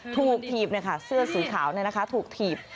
ถูกถีบนะคะเสื้อสีขาวเนี่ยนะคะถูกถีบ